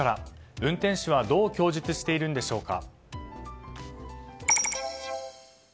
運転手はどう供述しているんでしょうか。